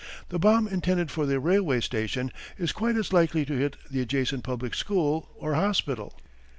The bomb intended for the railway station is quite as likely to hit the adjacent public school or hospital.